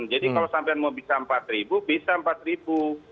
jadi kalau sampai mau bisa rp empat bisa rp empat